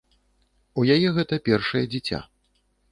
У яе гэта першае дзіця.